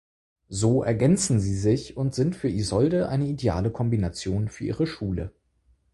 So ergänzen sie sich und sind für Isolde eine ideale Kombination für ihre Schule.